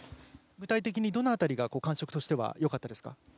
具体的に、どの辺りが感触としてはよかったですか？